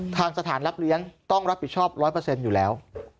ทางสถานรับเลี้ยงต้องรับผิดชอบ๑๐๐อยู่แล้ว